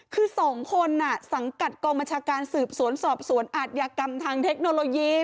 คือ๒คนสังกัดกองบัญชาการสืบสวนสอบสวนอาทยากรรมทางเทคโนโลยี